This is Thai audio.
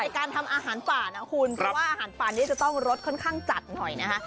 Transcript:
การทำอาหารป่านะคุณเพราะว่าอาหารป่านี้จะต้องรสค่อนข้างจัดหน่อยนะคะ